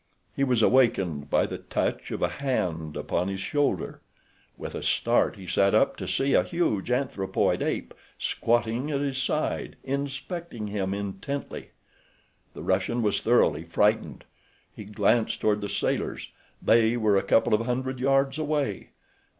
He was awakened by the touch of a hand upon his shoulder. With a start he sat up to see a huge, anthropoid ape squatting at his side, inspecting him intently. The Russian was thoroughly frightened. He glanced toward the sailors—they were a couple of hundred yards away.